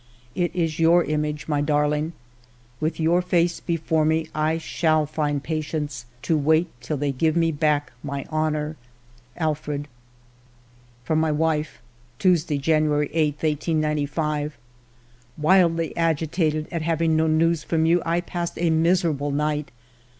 It is your image, my darling. With' your face before me, I shall find patience to wait till they give me back my honor. Alfred.'* From my wife: —Tuesday, January 8, 1895. " Wildly agitated at having no news from you, I passed a miserable night.